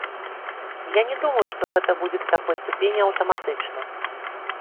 Я не думаю, што гэта будзе да такой ступені аўтаматычна.